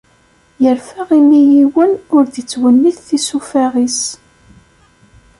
Yerfa imi yiwen ur d-ittwennit tisufaɣ-is.